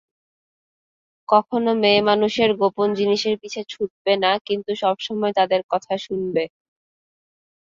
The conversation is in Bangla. কখনও মেয়েমানুষের গোপন জিনিসের পিছে ছুটবে না, কিন্তু সবসময় তাদের কথা শুনবে।